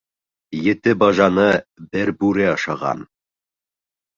Ете бажаны бер бүре ашаған.